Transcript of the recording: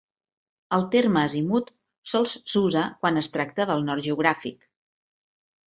El terme azimut sols s'usa quan es tracta del nord geogràfic.